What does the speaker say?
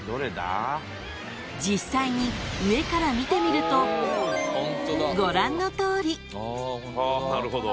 ［実際に上から見てみるとご覧のとおり］